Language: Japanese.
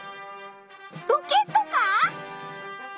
ロケットか？